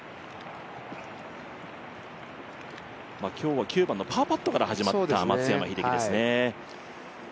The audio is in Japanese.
今日は９番のパーパットから始まった松山英樹ですね。